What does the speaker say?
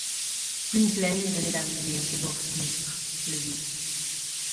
Gwynplaine venait d’arriver à ce bord sinistre, le vide.